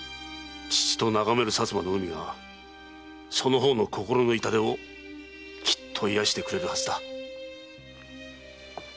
父と眺める薩摩の海がその方の心の痛手をきっと癒してくれるはずだ。